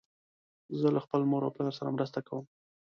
زه له خپل مور او پلار سره مرسته کوم.